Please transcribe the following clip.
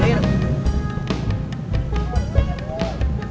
masih kurang mulai ya